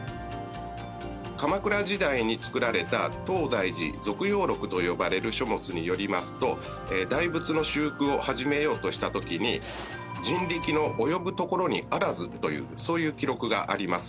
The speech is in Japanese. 鎌倉時代に作られた『東大寺続要録』と呼ばれる書物によりますと大仏の修復を始めようとした時に「人力の及ぶところにあらず」というそういう記録があります。